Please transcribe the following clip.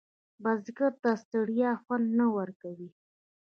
بزګر ته ستړیا خوند نه ورکوي